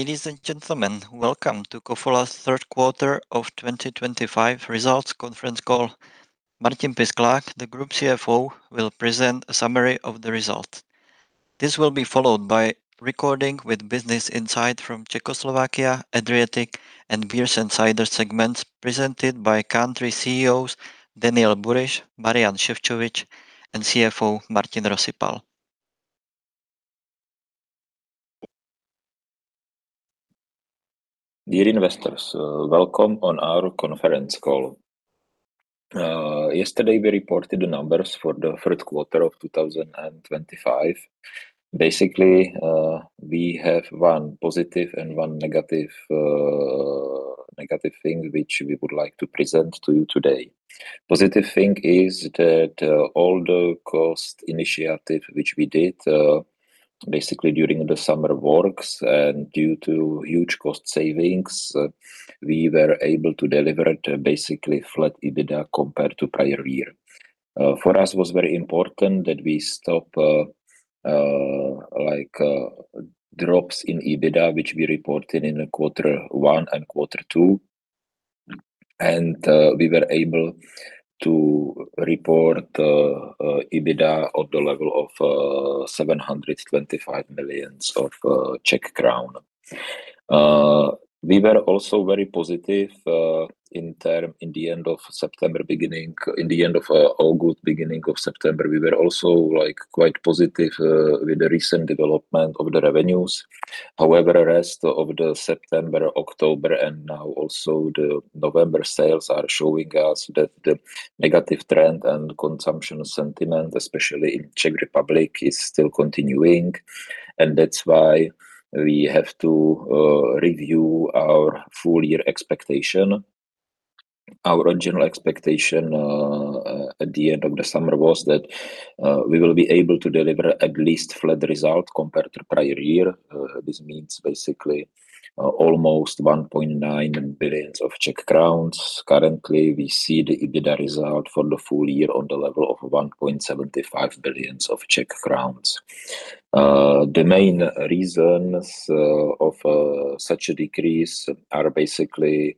Ladies and gentlemen, welcome to Kofola ČeskoSlovensko's Third Quarter of 2025 results conference call. Martin Pisklák, the Group CFO, will present a summary of the results. This will be followed by a recording with Business Insight from Czechoslovakia, Adriatic, and Beer segment presented by country CEOs Daniel Buryš, Marián Šefčovič, and CFO Martin Rosypal. Dear investors, welcome on our conference call. Yesterday, we reported the numbers for the third quarter of 2025. Basically, we have one positive and one negative thing which we would like to present to you today. The positive thing is that all the cost initiatives which we did, basically during the summer, work, and due to huge cost savings, we were able to deliver basically flat EBITDA compared to prior year. For us, it was very important that we stop drops in EBITDA which we reported in quarter one and quarter two. We were able to report EBITDA at the level of 725 million. We were also very positive in the end of September, beginning in the end of August, beginning of September. We were also quite positive with the recent development of the revenues. However, the rest of September, October, and now also the November sales are showing us that the negative trend and consumption sentiment, especially in the Czech Republic, is still continuing. That is why we have to review our full year expectation. Our original expectation at the end of the summer was that we will be able to deliver at least flat results compared to prior year. This means basically almost 1.9 billion. Currently, we see the EBITDA result for the full year on the level of 1.75 billion. The main reasons of such a decrease are basically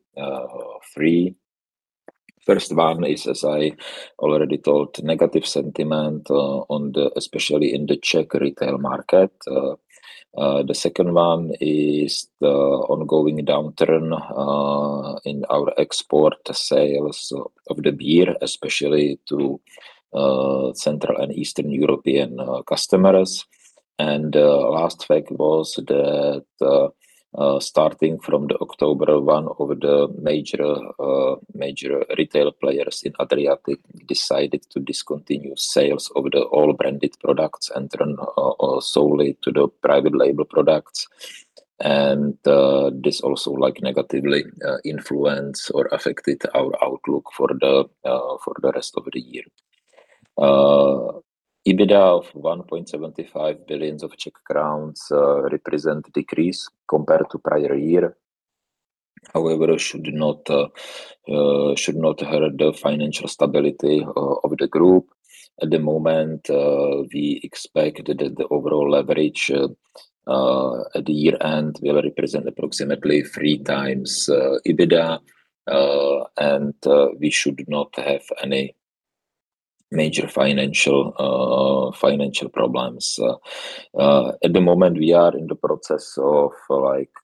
three. The first one is, as I already told, negative sentiment, especially in the Czech retail market. The second one is the ongoing downturn in our export sales of the beer, especially to Central and Eastern European customers. The last fact was that starting from October, one of the major retail players in Adriatic decided to discontinue sales of all branded products and turn solely to the private label products. This also negatively influenced or affected our outlook for the rest of the year. EBITDA of 1.75 billion represents a decrease compared to prior year. However, it should not hurt the financial stability of the group. At the moment, we expect that the overall leverage at the year-end will represent approximately 3x EBITDA, and we should not have any major financial problems. At the moment, we are in the process of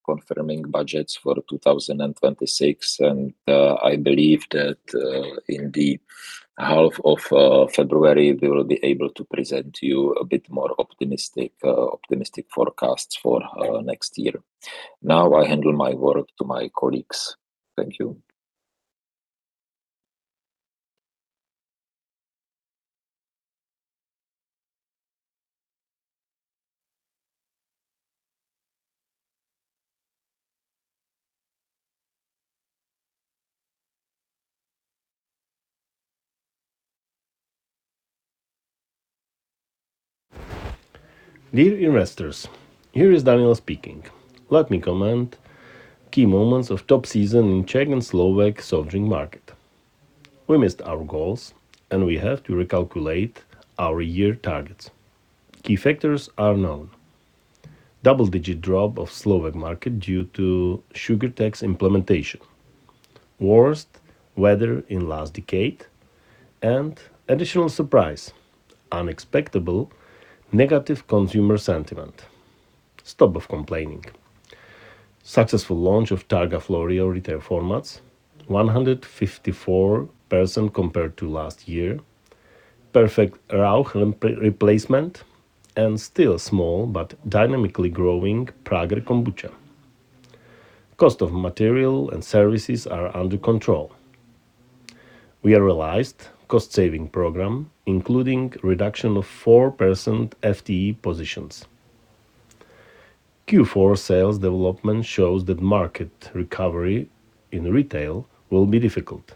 confirming budgets for 2026, and I believe that in the half of February we will be able to present you a bit more optimistic forecasts for next year. Now I handle my work to my colleagues. Thank you. Dear investors, here is Daniel speaking. Let me comment on key moments of the top season in the Czech and Slovak sovereign market. We missed our goals, and we have to recalculate our year targets. Key factors are known: double-digit drop of the Slovak market due to sugar tax implementation, worst weather in the last decade, and additional surprise: unexpectable negative consumer sentiment. Stop of complaining. Successful launch of Targa Florio retail formats, 154% compared to last year, perfect raw replacement, and still small but dynamically growing Prager's Kombucha. Cost of material and services are under control. We have realized a cost-saving program, including a reduction of 4% FTE positions. Q4 sales development shows that market recovery in retail will be difficult.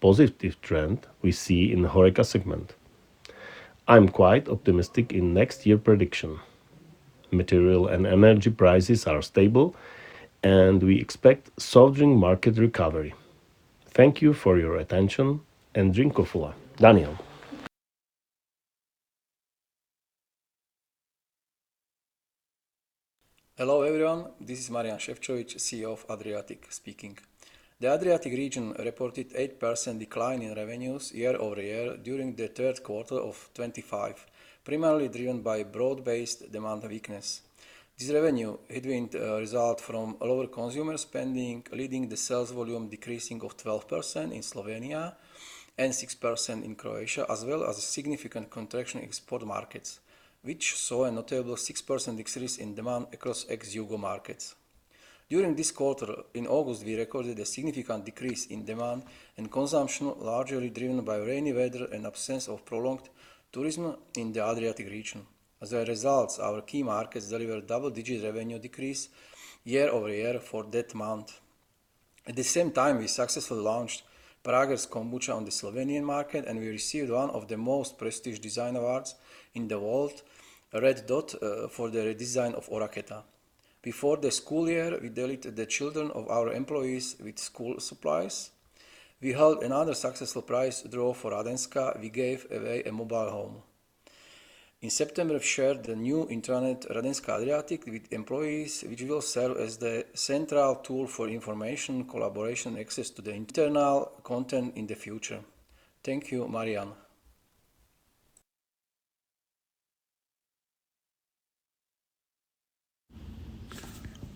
Positive trend we see in the HoReCa segment. I'm quite optimistic in next year's prediction. Material and energy prices are stable, and we expect a sovereign market recovery. Thank you for your attention, and drink Kofola. Daniel. Hello everyone, this is Marián Šefčovič, CEO of Adriatic speaking. The Adriatic region reported an 8% decline in revenues year-over-year during the third quarter of 2025, primarily driven by broad-based demand weakness. This revenue had been a result of lower consumer spending, leading to the sales volume decreasing by 12% in Slovenia and 6% in Croatia, as well as a significant contraction in export markets, which saw a notable 6% decrease in demand across ex-Yugo markets. During this quarter, in August, we recorded a significant decrease in demand and consumption, largely driven by rainy weather and the absence of prolonged tourism in the Adriatic region. As a result, our key markets delivered a double-digit revenue decrease year-over-year for that month. At the same time, we successfully launched Prager's kombucha on the Slovenian market, and we received one of the most prestigious design awards in the world, a Red Dot for the redesign of Oraketa. Before the school year, we delighted the children of our employees with school supplies. We held another successful prize draw for Radenska, and we gave away a mobile home. In September, we shared the new intranet Radenska Adriatic with employees, which will serve as the central tool for information, collaboration, and access to the internal content in the future. Thank you, Marián.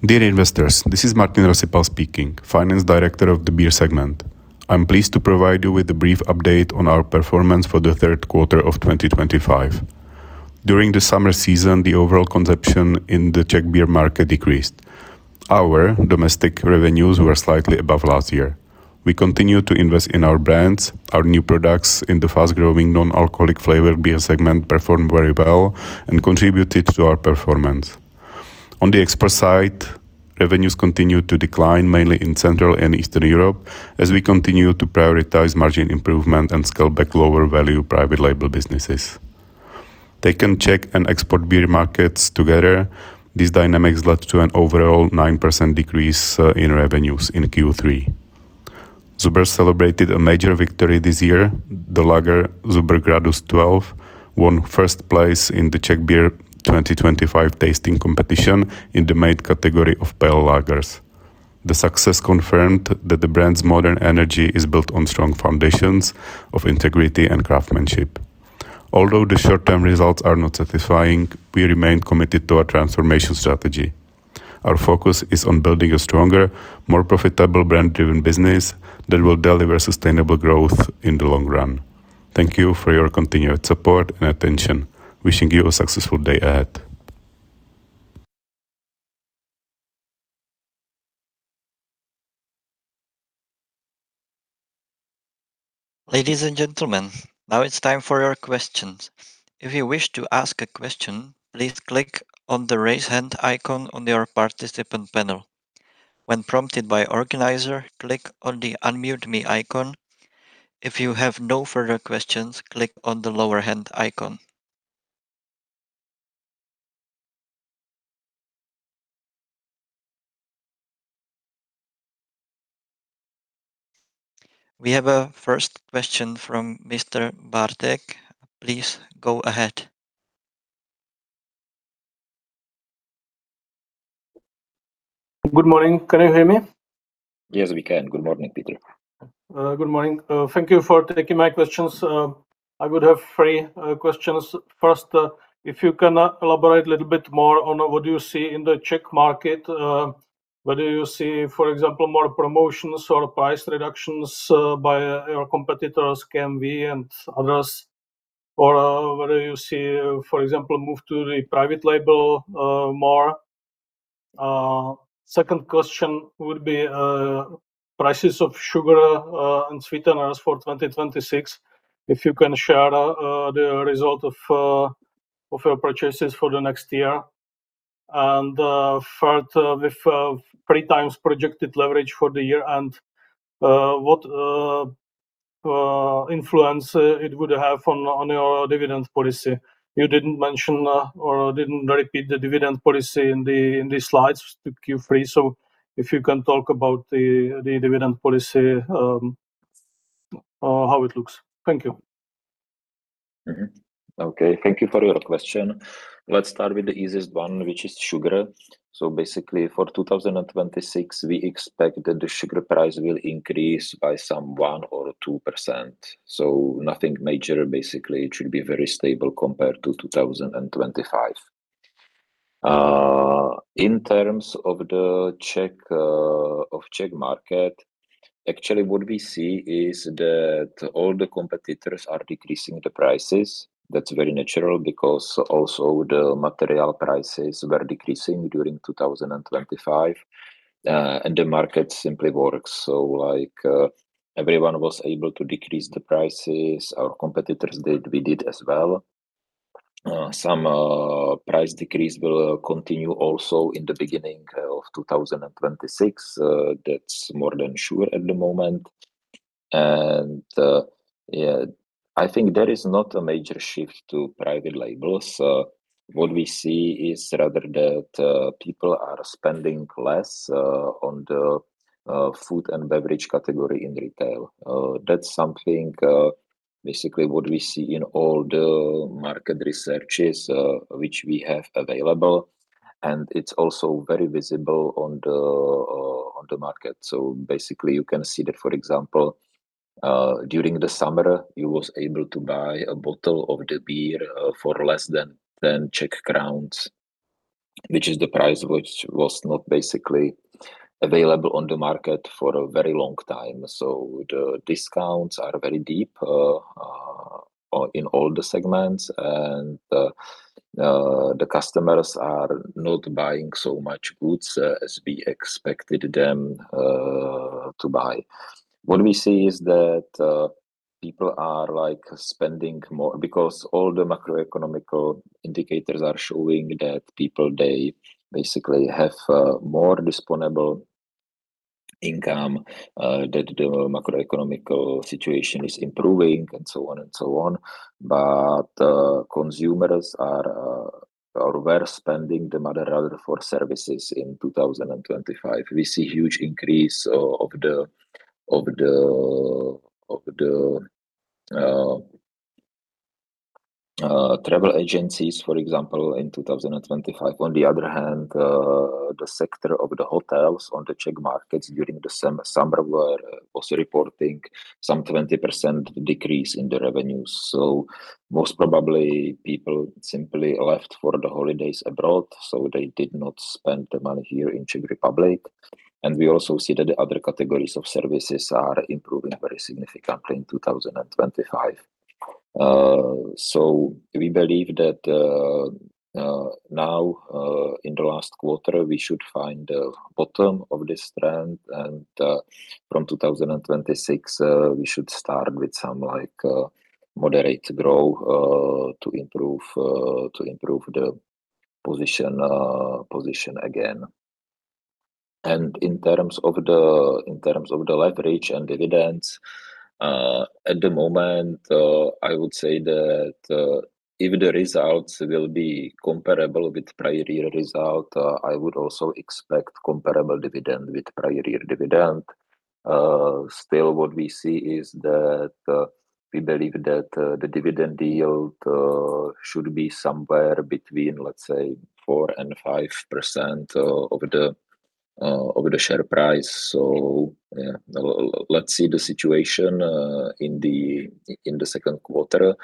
Dear investors, this is Martin Rosypal speaking, Finance Director of the Beer Segment. I'm pleased to provide you with a brief update on our performance for the third quarter of 2025. During the summer season, the overall consumption in the Czech beer market decreased. Our domestic revenues were slightly above last year. We continued to invest in our brands. Our new products in the fast-growing non-alcoholic flavor beer segment performed very well and contributed to our performance. On the export side, revenues continued to decline, mainly in Central and Eastern Europe, as we continued to prioritize margin improvement and scale back lower-value private label businesses. Taking Czech and export beer markets together, these dynamics led to an overall 9% decrease in revenues in Q3. Zubr celebrated a major victory this year. The lager Zubr Gradus 12 won first place in the Czech Beer 2025 tasting competition in the main category of pale lagers. The success confirmed that the brand's modern energy is built on strong foundations of integrity and craftsmanship. Although the short-term results are not satisfying, we remain committed to our transformation strategy. Our focus is on building a stronger, more profitable brand-driven business that will deliver sustainable growth in the long run. Thank you for your continued support and attention. Wishing you a successful day ahead. Ladies and gentlemen, now it's time for your questions. If you wish to ask a question, please click on the raise hand icon on your participant panel. When prompted by the organizer, click on the unmute me icon. If you have no further questions, click on the lower hand icon. We have a first question from Mr. Bartek. Please go ahead. Good morning. Can you hear me? Yes, we can. Good morning, Peter. Good morning. Thank you for taking my questions. I would have three questions. First, if you can elaborate a little bit more on what you see in the Czech market. Whether you see, for example, more promotions or price reductions by your competitors, KMV and others, or whether you see, for example, a move to the private label more. Second question would be prices of sugar and sweeteners for 2026, if you can share the result of your purchases for the next year. And third, with 3x projected leverage for the year-end, what influence would it have on your dividend policy? You did not mention or did not repeat the dividend policy in the slides to Q3, so if you can talk about the dividend policy, how it looks. Thank you. Okay, thank you for your question. Let's start with the easiest one, which is sugar. Basically, for 2026, we expect that the sugar price will increase by some 1% or 2%. Nothing major, basically. It should be very stable compared to 2025. In terms of the Czech market, actually, what we see is that all the competitors are decreasing the prices. That's very natural because also the material prices were decreasing during 2025, and the market simply works. Everyone was able to decrease the prices. Our competitors did. We did as well. Some price decrease will continue also in the beginning of 2026. That's more than sure at the moment. I think there is not a major shift to private labels. What we see is rather that people are spending less on the food and beverage category in retail. That's something basically what we see in all the market researches which we have available, and it's also very visible on the market. You can see that, for example, during the summer, you were able to buy a bottle of the beer for less than 10 Czech crowns, which is the price which was not basically available on the market for a very long time. The discounts are very deep in all the segments, and the customers are not buying so much goods as we expected them to buy. What we see is that people are spending more because all the macroeconomical indicators are showing that people basically have more disposable income, that the macroeconomical situation is improving, and so on and so on. Consumers are worth spending the mother rather for services in 2025. We see a huge increase of the travel agencies, for example, in 2025. On the other hand, the sector of the hotels on the Czech markets during the summer was reporting some 20% decrease in the revenues. Most probably, people simply left for the holidays abroad, so they did not spend the money here in the Czech Republic. We also see that the other categories of services are improving very significantly in 2025. We believe that now, in the last quarter, we should find the bottom of this trend, and from 2026, we should start with some moderate growth to improve the position again. In terms of the leverage and dividends, at the moment, I would say that if the results will be comparable with prior year results, I would also expect a comparable dividend with prior year dividend. Still, what we see is that we believe that the dividend yield should be somewhere between, let's say, 4% and 5% of the share price. Let's see the situation in the second quarter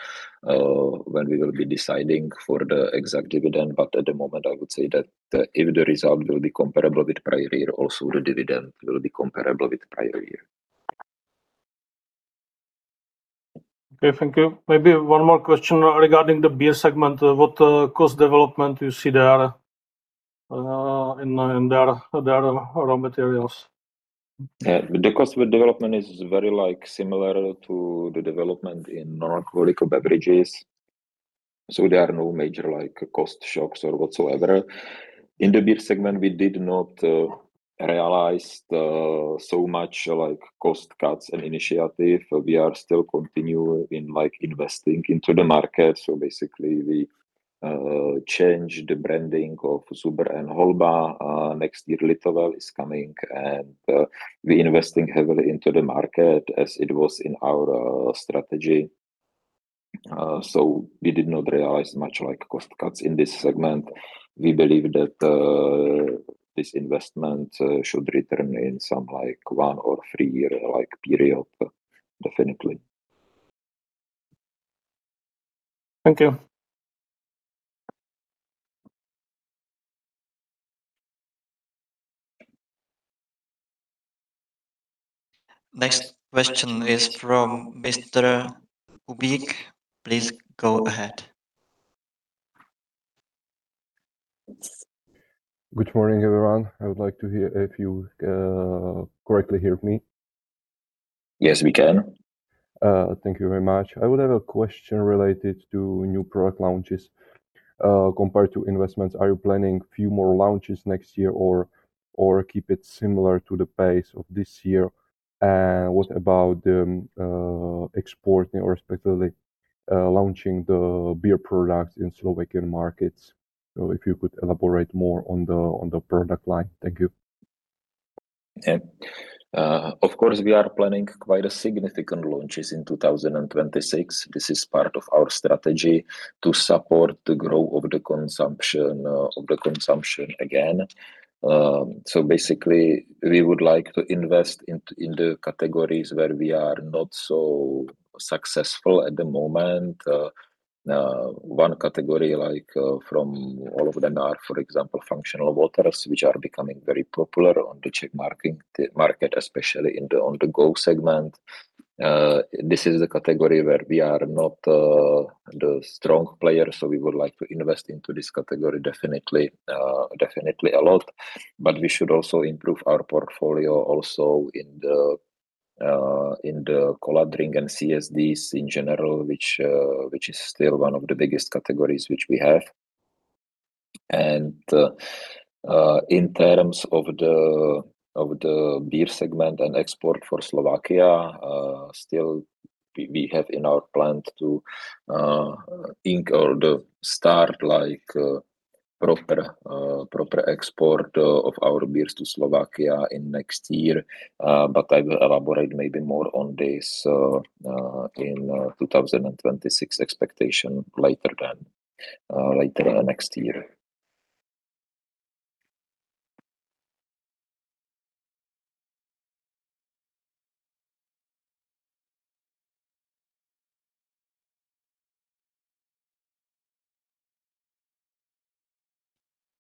when we will be deciding for the exact dividend, but at the moment, I would say that if the result will be comparable with prior year, also the dividend will be comparable with prior year. Okay, thank you. Maybe one more question regarding the beer segment. What cost development do you see there in their raw materials? The cost development is very similar to the development in non-alcoholic beverages, so there are no major cost shocks or whatsoever. In the beer segment, we did not realize so much cost cuts and initiative. We are still continuing in investing into the market. We changed the branding of Zubr and Holba. Next year, Litovel is coming, and we are investing heavily into the market as it was in our strategy. We did not realize much cost cuts in this segment. We believe that this investment should return in some one or three-year period, definitely. Thank you. Next question is from Mr. Kubík. Please go ahead. Good morning, everyone. I would like to hear if you correctly hear me. Yes, we can. Thank you very much. I would have a question related to new product launches. Compared to investments, are you planning a few more launches next year or keep it similar to the pace of this year? What about exporting or, respectively, launching the beer products in Slovakian markets? If you could elaborate more on the product line. Thank you. Of course, we are planning quite significant launches in 2026. This is part of our strategy to support the growth of the consumption again. Basically, we would like to invest in the categories where we are not so successful at the moment. One category from all of them are, for example, functional waters, which are becoming very popular on the Czech market, especially in the on-the-go segment. This is the category where we are not the strong player, so we would like to invest into this category definitely a lot. We should also improve our portfolio also in the cola drink and CSDs in general, which is still one of the biggest categories which we have. In terms of the beer segment and export for Slovakia, still we have in our plan to start proper export of our beers to Slovakia in next year, but I will elaborate maybe more on this in 2026 expectation later next year.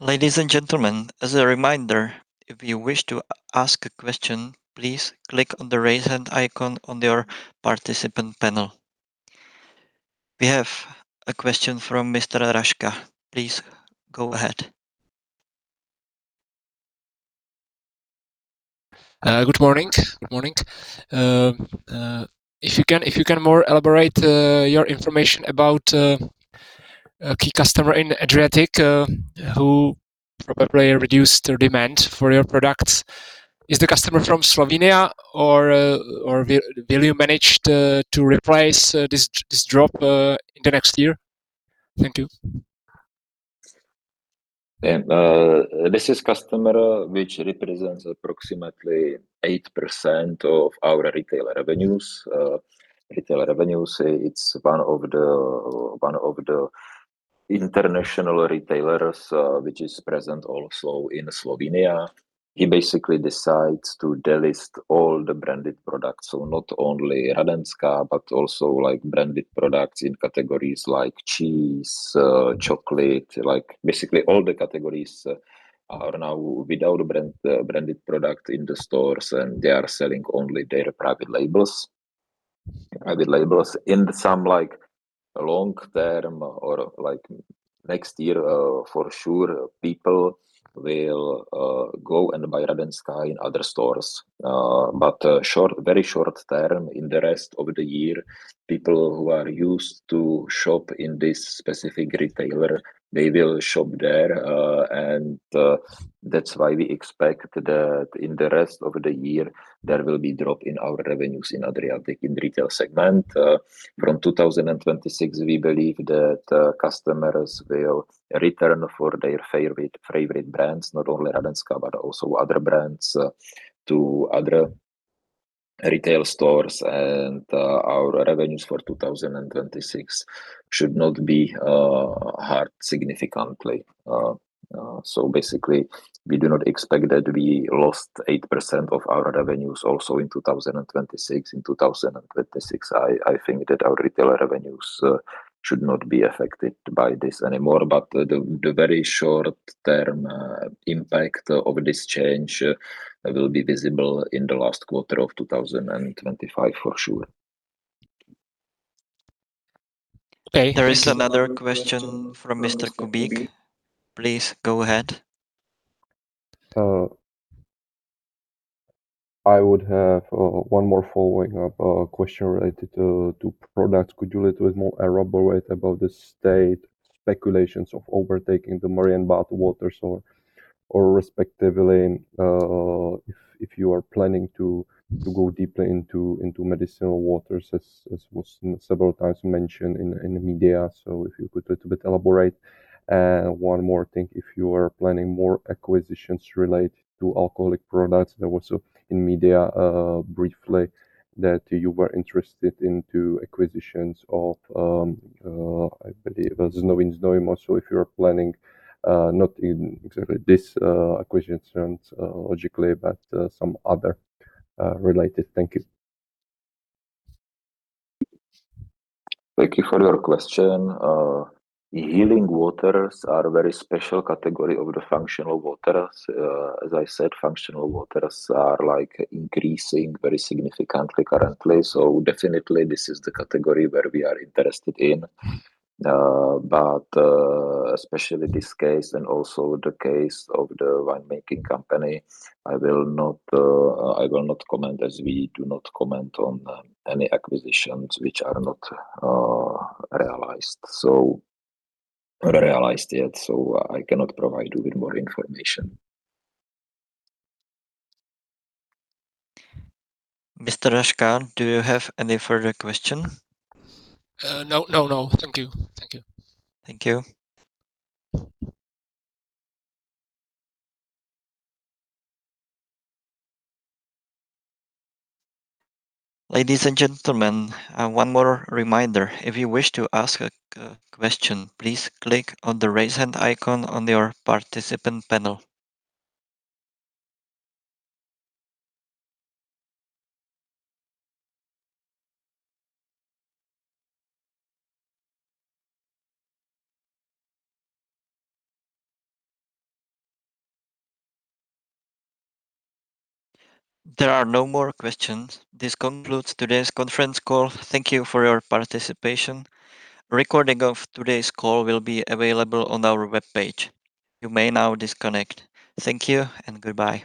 Ladies and gentlemen, as a reminder, if you wish to ask a question, please click on the raise hand icon on your participant panel. We have a question from Mr. Arashka. Please go ahead. Good morning. Good morning. If you can more elaborate your information about a key customer in Adriatic who probably reduced their demand for your products, is the customer from Slovenia or will you manage to replace this drop in the next year? Thank you. This is a customer which represents approximately 8% of our retail revenues. Retail revenues, it's one of the international retailers which is present also in Slovenia. He basically decides to delist all the branded products, so not only Radenska, but also branded products in categories like cheese, chocolate, basically all the categories are now without branded products in the stores, and they are selling only their private labels. Private labels in some long-term or next year for sure, people will go and buy Radenska in other stores. Very short-term, in the rest of the year, people who are used to shop in this specific retailer, they will shop there. That is why we expect that in the rest of the year, there will be a drop in our revenues in Adriatic in the retail segment. From 2026, we believe that customers will return for their favorite brands, not only Radenska, but also other brands to other retail stores, and our revenues for 2026 should not be hurt significantly. Basically, we do not expect that we lost 8% of our revenues also in 2026. In 2026, I think that our retail revenues should not be affected by this anymore, but the very short-term impact of this change will be visible in the last quarter of 2025 for sure. Okay. There is another question from Mr. Kubík. Please go ahead. I would have one more following question related to products. Could you elaborate a bit about the state speculations of overtaking the Marienbad Waters or, respectively, if you are planning to go deeply into medicinal waters, as was several times mentioned in the media. If you could elaborate. One more thing, if you are planning more acquisitions related to alcoholic products, there was in media briefly that you were interested in acquisitions of, I believe, Znovín Znojmo. If you are planning not exactly this acquisition logically, but some other related. Thank you. Thank you for your question. Healing Waters are a very special category of the functional waters. As I said, functional waters are increasing very significantly currently. This is definitely the category where we are interested in. Especially in this case and also the case of the winemaking company, I will not comment as we do not comment on any acquisitions which are not realized yet. I cannot provide you with more information. Mr. Arashka, do you have any further question? No, no. Thank you. Thank you. Thank you. Ladies and gentlemen, one more reminder. If you wish to ask a question, please click on the raise hand icon on your participant panel. There are no more questions. This concludes today's conference call. Thank you for your participation. Recording of today's call will be available on our web page. You may now disconnect. Thank you and goodbye.